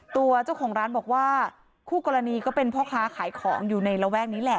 ตัวเจ้าของร้านบอกว่าคู่กรณีก็เป็นพ่อค้าขายของอยู่ในระแวกนี้แหละ